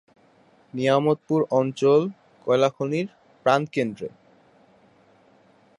নিয়ামতপুর অঞ্চল কয়লা খনির প্রাণকেন্দ্রে।